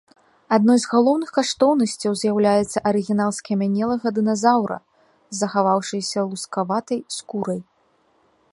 Адной з галоўных каштоўнасцяў з'яўляецца арыгінал скамянелага дыназаўра з захаваўшайся лускаватай скурай.